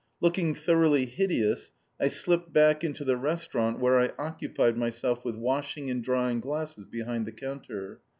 Looking thoroughly hideous I slipped back into the restaurant where I occupied myself with washing and drying glasses behind the counter.